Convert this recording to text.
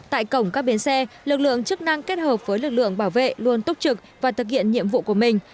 tại cổng các biến xe lực lượng chức năng kết hợp với lực lượng bảo vệ luôn túc trực và thực hiện nhiệm vụ của mình